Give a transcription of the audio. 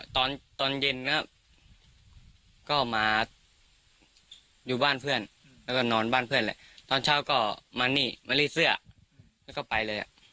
ตอนตอนเย็นก็มาอยู่บ้านเพื่อนแล้วก็นอนบ้านเพื่อนแหละตอนเช้าก็มานี่มารีดเสื้อแล้วก็ไปเลย